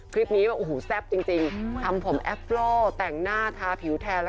คลิปนี้แซ่บจริงทำผมแอปโฟร์แต่งหน้าทาผิวแทน